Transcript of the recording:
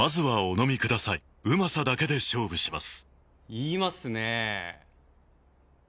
言いますねぇ。